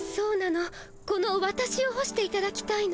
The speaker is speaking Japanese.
このわたしを干していただきたいの。